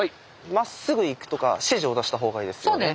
「まっすぐ行く」とか指示を出した方がいいですよね。